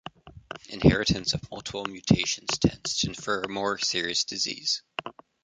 Inheritance of multiple mutations tends to infer more serious disease.